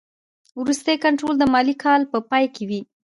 وروستی کنټرول د مالي کال په پای کې وي.